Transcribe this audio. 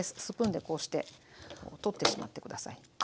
スプーンでこうして取ってしまって下さい。